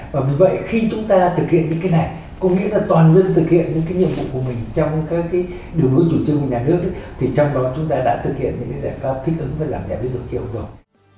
và vì vậy khi chúng ta thực hiện những cái này có nghĩa là toàn dân thực hiện những cái nhiệm vụ của mình trong các cái đường lối chủ trương của nhà nước thì trong đó chúng ta đã thực hiện những cái giải pháp thích ứng và giảm nhẹ biến đổi khí hậu rồi